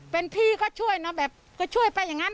เป็นพี่ก็ช่วยเนอะแบบก็ช่วยไปอย่างนั้น